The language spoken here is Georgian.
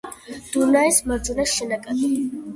დუნაის მარჯვენა შენაკადი.